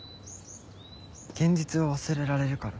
現実を忘れられるから。